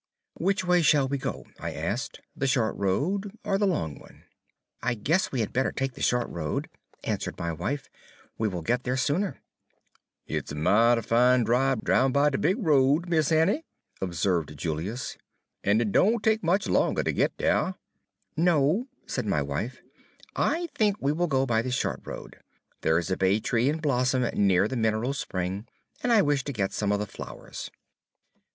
"Which way shall we go," I asked, "the short road or the long one?" "I guess we had better take the short road," answered my wife. "We will get there sooner." "It's a mighty fine dribe roun' by de big road, Mis' Annie," observed Julius, "en it doan take much longer to git dere." "No," said my wife, "I think we will go by the short road. There is a bay tree in blossom near the mineral spring, and I wish to get some of the flowers."